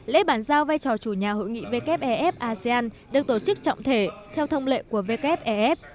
lễ bàn giao vai trò chủ nhà hội nghị wef asean được tổ chức trọng thể theo thông lệ của wef